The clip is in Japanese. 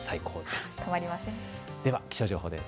では気象情報です。